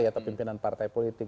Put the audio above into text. atau pimpinan partai politik